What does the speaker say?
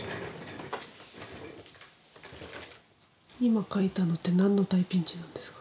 今描いたのって何の大ピンチなんですか？